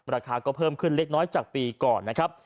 ราคาก็เพิ่มขึ้นเล็กน้อยจากปีก่อนนะครับ